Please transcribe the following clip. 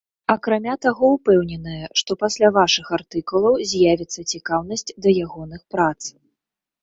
Акрамя таго, упэўненая, што пасля вашых артыкулаў з'явіцца цікаўнасць да ягоных прац.